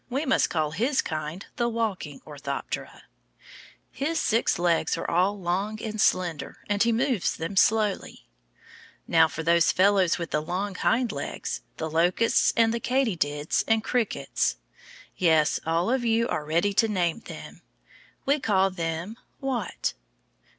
We must call his kind the Walking Orthoptera. His six legs are all long and slender, and he moves them slowly. Now for those fellows with the long hind legs, the locusts and katydids and crickets. Yes, all of you are ready to name them. We call them what?